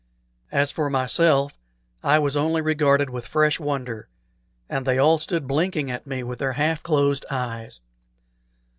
As for myself, I was only regarded with fresh wonder, and they all stood blinking at me with their half closed eyes.